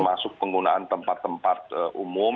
masuk penggunaan tempat tempat umum